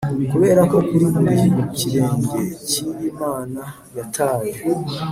kuberako kuri buri kirenge cyiyi mana yataye